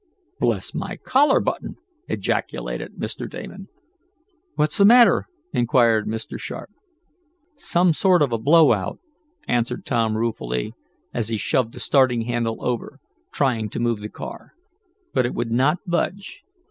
"Bless my collar button!" ejaculated Mr. Damon. "What's the matter?" inquired Mr. Sharp. "Some sort of a blow out," answered Tom ruefully, as he shoved the starting handle over, trying to move the car. But it would not budge.